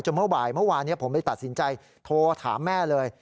เมื่อบ่ายเมื่อวานนี้ผมเลยตัดสินใจโทรถามแม่เลย